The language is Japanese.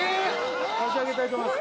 差し上げたいと思います。